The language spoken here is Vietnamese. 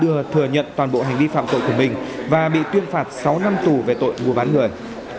tha đã đưa thừa nhận toàn bộ hành vi phạm tội của mình và bị tuyên phạt sáu năm tù về tội ngùa bán người